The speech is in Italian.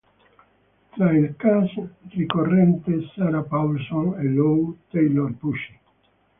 Tra il cast ricorrente Sarah Paulson e Lou Taylor Pucci.